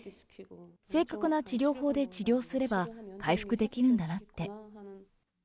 正確な治療法で治療すれば、回復できるんだなって。